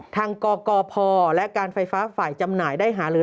กกพและการไฟฟ้าฝ่ายจำหน่ายได้หาลือ